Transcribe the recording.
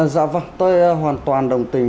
dạ vâng tôi hoàn toàn đồng tình